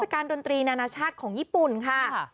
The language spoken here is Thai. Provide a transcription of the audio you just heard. การดนตรีนานาชาติของญี่ปุ่นค่ะ